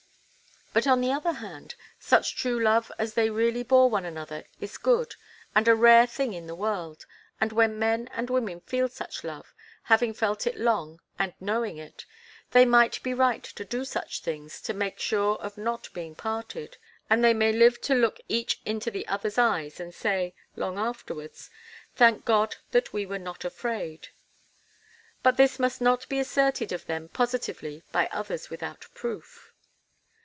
But, on the other hand, such true love as they really bore one another is good, and a rare thing in the world, and when men and women feel such love, having felt it long, and knowing it, they may be right to do such things to make sure of not being parted; and they may live to look each into the other's eyes and say, long afterwards, 'Thank God that we were not afraid.' But this must not be asserted of them positively by others without proof.